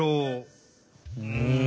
うん。